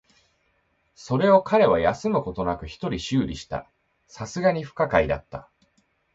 それを彼は休むことなく一人修理した。流石に不可解だった。